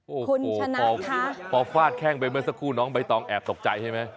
โอ้โหพอฟาดแข้งไปเมื่อสักครู่น้องใบตองแอบตกใจใช่ไหม